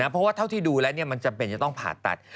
เพราะว่าเท่าที่ดูแล้วมันจำเป็นจะต้องผ่าตัด